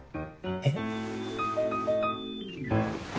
えっ！？